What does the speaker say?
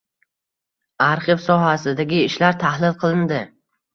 Arxiv sohasidagi ishlar tahlil qilindi